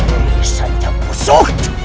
ini saja pusuk